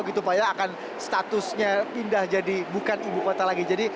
statusnya akan pindah jadi bukan ibu kota lagi